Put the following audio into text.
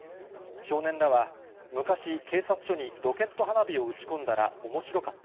少年らは、昔、警察署にロケット花火を打ち込んだらおもしろかった。